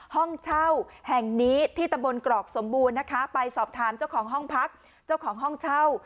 ห้องเช่าแห่งนี้ที่ตำบลกรอกสมบูรณ์นะคะไปสอบถามเจ้าของห้องพักเจ้าของห้องเช่า